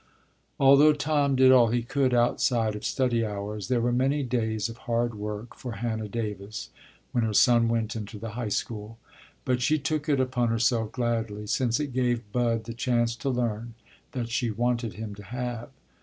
Although Tom did all he could outside of study hours, there were many days of hard work for Hannah Davis, when her son went into the High School. But she took it upon herself gladly, since it gave Bud the chance to learn, that she wanted him to have.